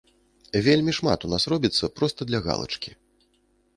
Вельмі шмат у нас робіцца проста для галачкі.